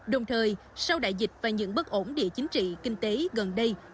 đồng thời sau đại dịch và những bất ổn địa chính trị kinh tế gần đây